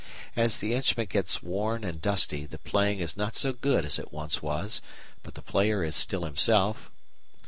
As the instrument gets worn and dusty the playing is not so good as it once was, but the player is still himself.